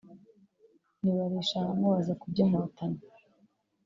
nibarisha mubaza ku by’Inkotanyi